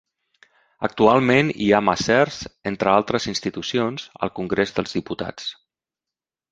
Actualment hi ha macers, entre altres institucions, al Congrés dels Diputats.